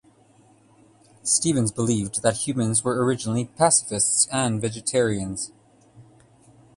Stevens believed that humans were originally pacifists and vegetarians.